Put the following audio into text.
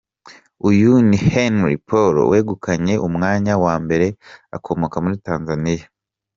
Uyu ni Henriet Paul wegukanye umwanya wa mbere akomoka muri Tanzania.